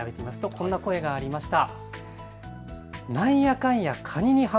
こんな声がありました。